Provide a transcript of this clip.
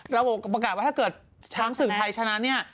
ประกาศว่าถ้าเกิดช้างสื่อไทยชนะเนี่ย